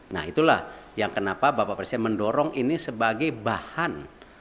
nah itulah yang kenapa bapak presiden mendorong ini sebagai bahan